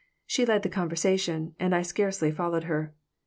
She led the conversation, and I scarcely followed her.